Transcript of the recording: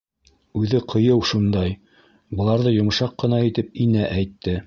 Үҙе ҡыйыу шундай, — быларҙы йомшаҡ ҡына итеп Инә әйтте.